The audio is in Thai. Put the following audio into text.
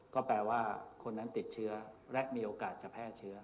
ก็แปลว่าคนนั้นติดเชื้อและมีโอกาสจะแพร่เชื้อ